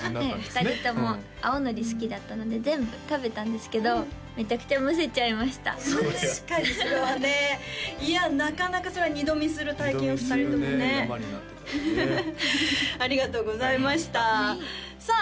２人とも青海苔好きだったので全部食べたんですけどめちゃくちゃむせちゃいましたそれは確かにそれはねいやなかなかそれは二度見する体験を２人ともね二度見するね山になってたらねありがとうございましたさあ